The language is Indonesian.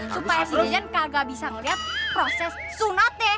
supaya si jejen kagak bisa ngeliat proses sunat ya